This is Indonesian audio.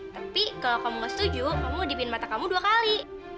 tapi kalau kamu gak setuju kamu dipin mata kamu dua kali